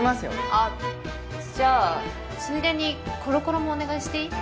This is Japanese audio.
あっじゃあついでにコロコロもお願いしていい？